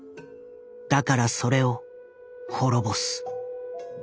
だからそれを滅ぼす。